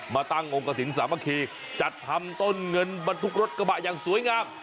มาตั้งองค์กระถิ่นสามัคคีจัดทำต้นเงินบรรทุกรถกระบะอย่างสวยงาม